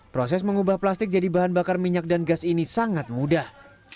proses mengubah plastik jadi bahan bakar minyak dan gas ini sangat mudah